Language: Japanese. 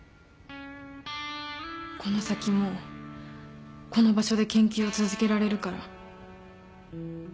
この先もこの場所で研究を続けられるから。